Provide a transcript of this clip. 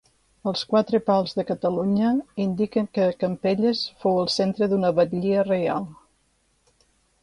Els quatre pals de Catalunya indiquen que Campelles fou el centre d'una batllia reial.